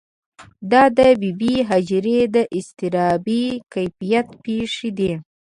دا د بې بي هاجرې د اضطرابي کیفیت پېښې دي.